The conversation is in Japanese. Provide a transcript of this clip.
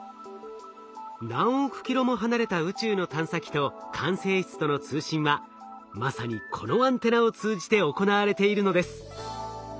何億キロも離れた宇宙の探査機と管制室との通信はまさにこのアンテナを通じて行われているのです。